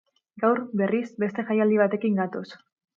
Gaur, berriz, beste jaialdi batekin gatoz.